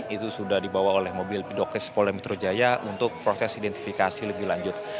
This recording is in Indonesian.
itu sudah dibawa oleh mobil pedokres polimitro jaya untuk proses identifikasi lebih lanjut